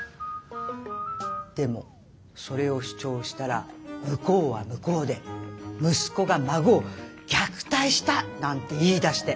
でもそれを主張したら向こうは向こうで息子が孫を虐待したなんて言いだして。